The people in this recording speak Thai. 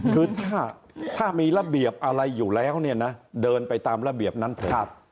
คือถ้ามีระเบียบอะไรอยู่แล้วเนี่ยนะเดินไปตามระเบียบนั้นเถอะ